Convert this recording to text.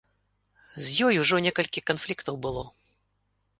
З ёй ужо некалькі канфліктаў было.